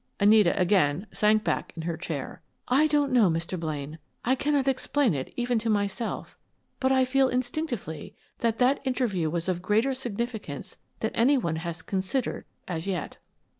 Anita again sank back in her chair. "I don't know, Mr. Blaine. I cannot explain it, even to myself, but I feel instinctively that that interview was of greater significance than any one has considered, as yet."